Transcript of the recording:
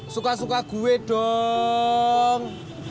suka suka gue dong